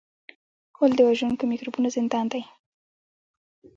غول د وژونکو میکروبونو زندان دی.